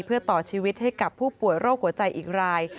เพื่อต่อชีวิตให้กับผู้ป่วยโรคหัวใจอีกราย